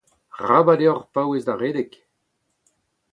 Arabat deoc’h paouez da redek !